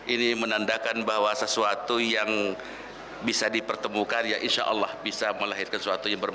ini menandakan bahwa sesuatu yang bisa dipertemukan oleh kementerian agama